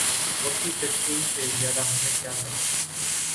وقتی تسکین سے زیادہ ہمیں کیا ملا؟